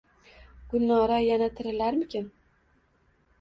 Gulnora yana "tirilarmikin"?